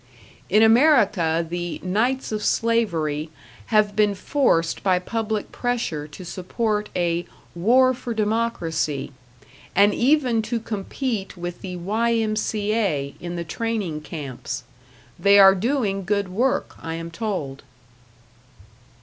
In America, the "Knights of Slavery" have been forced by public pressure to support a "War for Democracy", and even to compete with the Y.M.C.A. in the training camps. They are doing good work, I am told.